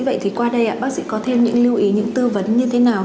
vậy thì qua đây bác sĩ có thêm những lưu ý những tư vấn như thế nào